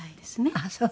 ああそう。